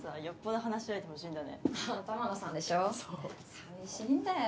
寂しいんだよ。